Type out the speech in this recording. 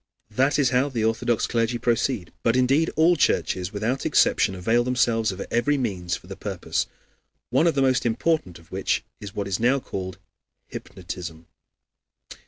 That is how the Orthodox clergy proceed; but indeed all churches without exception avail themselves of every means for the purpose one of the most important of which is what is now called hypnotism.